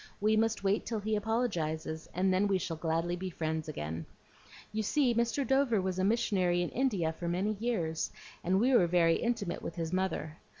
We must wait till he apologizes, and then we shall gladly be friends again. You see Mr. Dover was a missionary in India for many years, and we were very intimate with his mother.